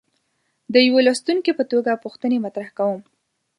د یوه لوستونکي په توګه پوښتنې مطرح کوم.